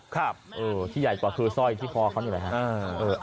ครับที่ใหญ่กว่าคือสร้อยที่คอเขานี่แหละครับ